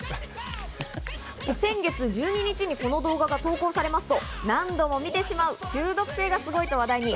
先月１２日にこの動画が投稿されますと、何度も見てしまう中毒性がすごいと話題に。